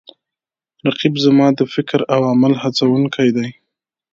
رقیب زما د فکر او عمل هڅوونکی دی